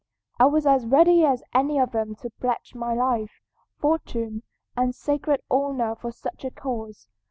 I was as ready as any of them to pledge my life, fortune, and sacred honor for such a cause.